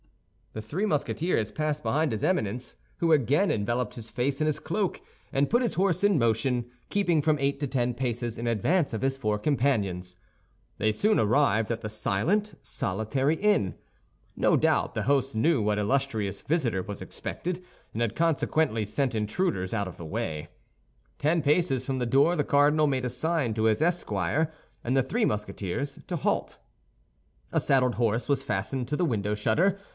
The three Musketeers passed behind his Eminence, who again enveloped his face in his cloak, and put his horse in motion, keeping from eight to ten paces in advance of his four companions. They soon arrived at the silent, solitary inn. No doubt the host knew what illustrious visitor was expected, and had consequently sent intruders out of the way. Ten paces from the door the cardinal made a sign to his esquire and the three Musketeers to halt. A saddled horse was fastened to the window shutter.